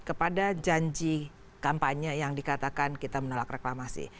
kepada janji kampanye yang dikatakan kita menolak reklamasi